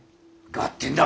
がってんだ！